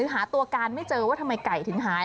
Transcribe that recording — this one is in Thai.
หาตัวการไม่เจอว่าทำไมไก่ถึงหาย